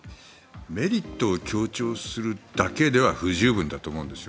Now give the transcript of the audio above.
メリットを強調するだけでは不十分だと思うんです。